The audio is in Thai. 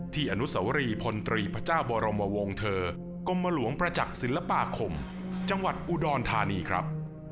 อนุสวรีพลตรีพระเจ้าบรมวงเธอกรมหลวงประจักษ์ศิลปาคมจังหวัดอุดรธานีครับ